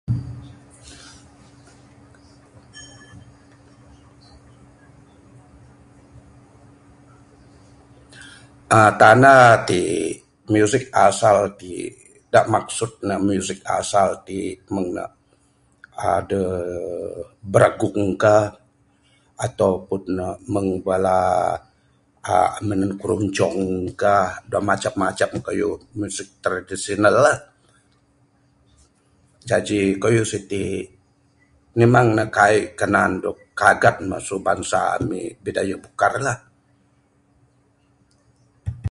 uhh tanda ti da maksud ne music asal ti meng ne adeh biragung ka ato pun meng bala uhh namak runcong ka Ra macam macam kayuh music traditional la. Jaji kayuh siti memang ne kaik kanan dog kagan masu bansa ami bukar lah